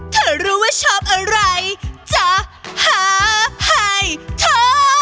เธอรู้ว่าชอบอะไรจะหาให้เธอ